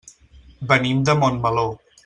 Venim de Montmeló.